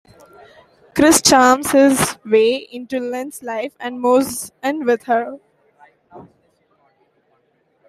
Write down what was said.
Chris charms his way into Lynn's life and moves in with her.